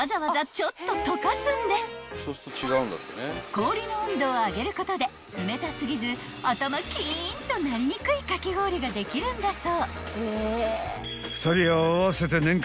［氷の温度を上げることで冷た過ぎず頭キーンとなりにくいかき氷ができるんだそう］